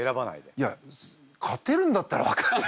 いや勝てるんだったら分からない。